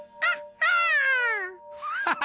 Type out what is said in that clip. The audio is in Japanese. ハハハ！